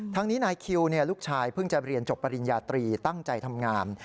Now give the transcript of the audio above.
ทั้งนี้นายคิวลูกชายเพิ่งจะเรียนจบปริญญาตรีตั้งใจทำงาน